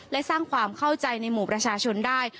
และสร้างความเข้าใจในหมู่ประชาชนได้